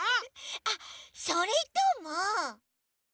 あっそれとも。